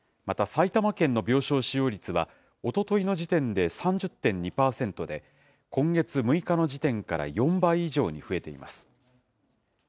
また、埼玉県の病床使用率はおとといの時点で３０．２％で、今月６日の時点から４倍以上に増えています。